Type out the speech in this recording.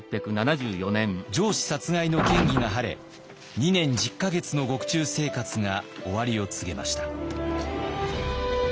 上司殺害の嫌疑が晴れ２年１０か月の獄中生活が終わりを告げました。